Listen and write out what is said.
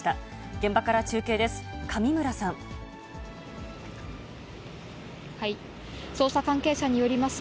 現場から中継です。